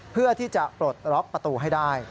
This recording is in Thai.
เพื่อที่จะปลดล็อกประตูให้ได้